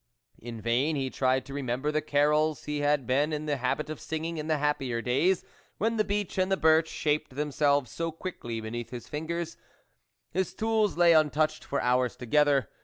In vain he tried to remember the carols he had been in the habit of singing in the happier days when the beech and the birch shaped them selves so quickly beneath his fingers ; his tools lay untouched for hours together.